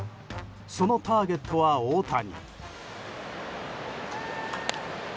そのターゲットは大谷。